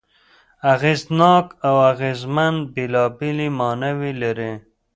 اغېزناک او اغېزمن بېلابېلې ماناوې لري.